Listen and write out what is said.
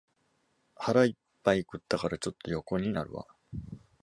腹いっぱい食ったから、ちょっと横になるわ